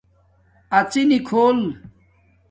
اڎݵ نکھول